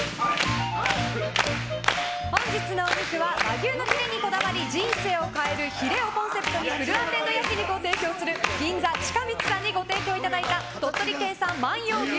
本日のお肉は和牛のヒレにこだわり人生を変えるヒレをコンセプトにフルアテンド焼き肉を提供する銀座ちかみつさんにご提供いただいた鳥取県産万葉牛